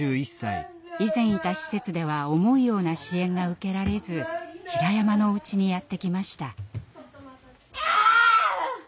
以前いた施設では思うような支援が受けられずひらやまのお家にやって来ました。